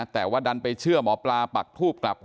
แต่ว่าดันไปเชื่อหมอปลาปักทูบกลับ